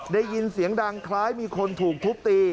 ได้ยินเสียงดังคล้ายมีคนถูกทุบตี